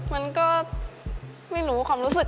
มันก็ไม่รู้ความรู้สึก